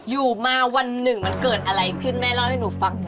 อยู่มาวันหนึ่งมันเกิดอะไรขึ้นแม่เล่าให้หนูฟังหน่อย